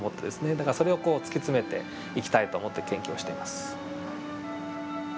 だからそれを突き詰めていきたいと思って研究をしています。